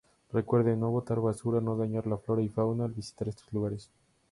Recuerde No botar basura, no dañar la flora y fauna al visitar estos lugares.